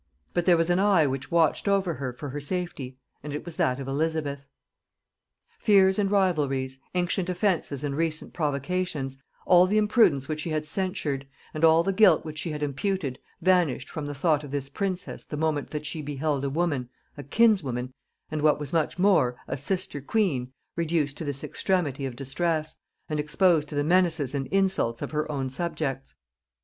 But there was an eye which watched over her for her safety; and it was that of Elizabeth. Fears and rivalries, ancient offences and recent provocations, all the imprudence which she had censured, and all the guilt which she had imputed, vanished from the thought of this princess the moment that she beheld a woman, a kinswoman, and, what was much more, a sister queen, reduced to this extremity of distress, and exposed to the menaces and insults of her own subjects.